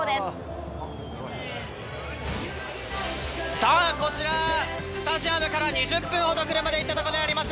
さあ、こちら、スタジアムから２０分ほど車で行った所にあります